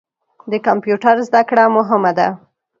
د کمپیوټر زده کړه مهمه ده.